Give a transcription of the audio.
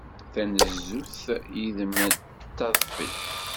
Tanezzut yid-m d taḍfi.